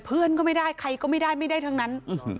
เพื่อนก็ไม่ได้ใครก็ไม่ได้ไม่ได้ทั้งนั้น